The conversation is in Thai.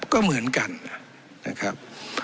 ก็เหมือนกันนะครับ